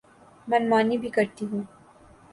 من مانی بھی کرتی ہوں۔